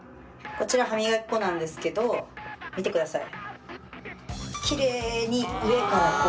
こちら歯磨き粉なんですけど見てください